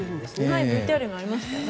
ＶＴＲにもありましたね。